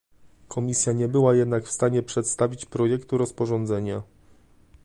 Komisja nie była jednak w stanie przedstawić projektu rozporządzenia